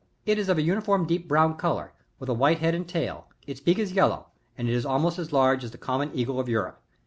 It is of a uniform deep brown colour, with a white head and tail ; its beak is yellow and it is almost as large as the common eagle of Europe.